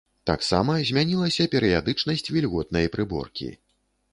Таксама змянілася перыядычнасць вільготнай прыборкі.